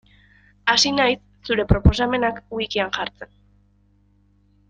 Hasi naiz zure proposamenak wikian jartzen.